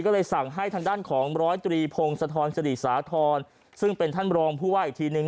ก็เลยสั่งให้ทางด้านของร้อยตรีพงศธรสิริสาธรณ์ซึ่งเป็นท่านรองผู้ว่าอีกทีนึง